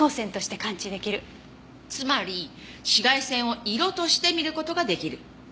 つまり紫外線を色として見る事が出来る。